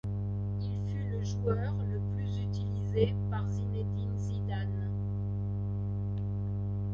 Il fut le joueur le plus utilisé par Zinédine Zidane.